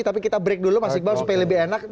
tapi kita break dulu mas iqbal supaya lebih enak